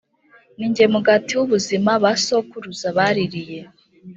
ni jye mugatim w ubuzima ba sokuruza baririye